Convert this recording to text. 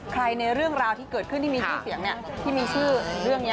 ในเรื่องราวที่เกิดขึ้นที่มีชื่อเสียงที่มีชื่อเรื่องนี้